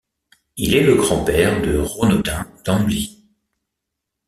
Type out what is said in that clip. Il est le grand-père de Regnaudin d'Ambly.